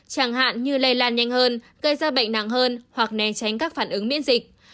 chẳng hạn như lây lan nhanh hơn gây ra bệnh nặng hơn hoặc né tránh các phản ứng miễn dịch